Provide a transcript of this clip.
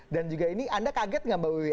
dan juga ini anda kaget nggak mbak wiwi